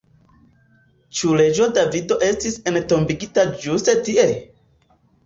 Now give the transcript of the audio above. Ĉu reĝo Davido estis entombigita ĝuste tie?